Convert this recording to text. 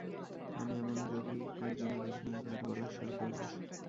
আমি এমন যোগী একজনও দেখি নাই, যাঁহার গলার স্বর কর্কশ।